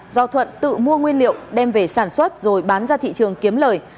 do thuận tự mua nguyên liệu đem về sản xuất rồi bán ra thị trường kiếm lời